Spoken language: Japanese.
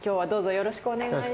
よろしくお願いします。